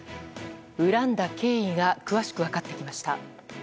恨んだ経緯が詳しく分かってきました。